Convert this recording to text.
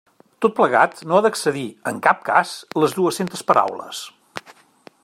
Tot plegat no ha d'excedir, en cap cas, les dues-centes paraules.